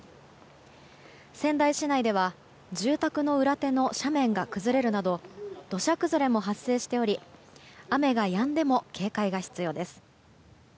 仙台市内では住宅の裏手の斜面が崩れるなど土砂崩れも発生しており雨がやんでも警戒が必要です。